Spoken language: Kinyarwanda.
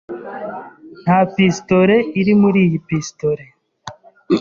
Nta pistolet iri muri iyi pistolet.